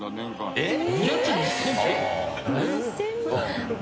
えっ？